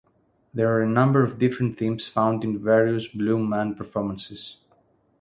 There are a number of different themes found in various Blue Man performances.